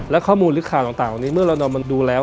และข้อมูลหรือข่าวต่างนี้เมื่อเรานอนมันดูแล้ว